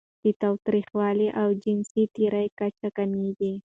د تاوتریخوالي او جنسي تیري کچه کمېږي.